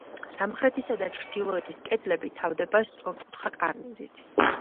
სამხრეთისა და ჩრდილოეთის კედლები თავდება სწორკუთხა კარნიზით.